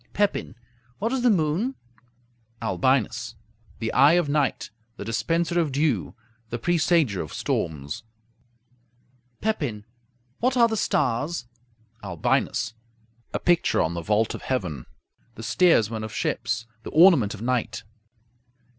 Pepin What is the moon? Albinus The eye of night; the dispenser of dew; the presager of storms. Pepin What are the stars? Albinus A picture on the vault of heaven; the steersmen of ships; the ornament of night.